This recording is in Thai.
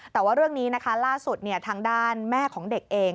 แต่ว่าเรื่องนี้นะคะล่าสุดทางด้านแม่ของเด็กเอง